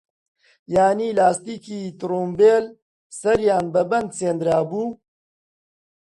یانی لاستیکی ترومبیل سەریان بە بەند چندرابوو